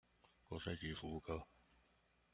國稅局服務科